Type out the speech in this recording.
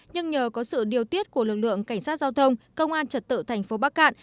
nhưng nhờ có sự điều tiết của lực lượng cảnh sát giao thông công an trật tự thành phố bắc cạn